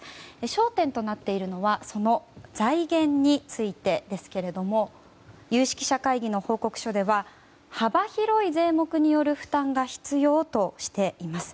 焦点となっているのはその財源についてですが有識者会議の報告書では幅広い税目による負担が必要としています。